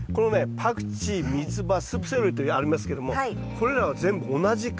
パクチーミツバスープセロリってありますけどもこれらは同じ科。